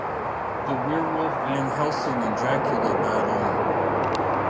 The werewolf Van Helsing and Dracula battle.